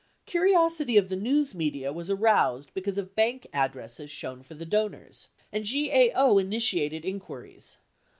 Curiosity of the news media was aroused because of bank addresses shown for the donors, and GAO initiated inquiries.